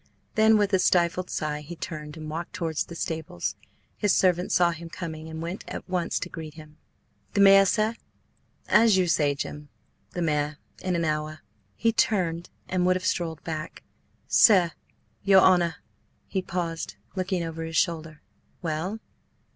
Then with a stifled sigh he turned and walked towards the stables. His servant saw him coming and went at once to meet him. "The mare, sir?" "As you say, Jim–the mare. In an hour." He turned and would have strolled back. "Sir–your honour!" He paused, looking over his shoulder. "Well?"